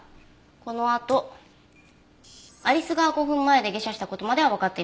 このあと有栖川古墳前で下車した事まではわかっています。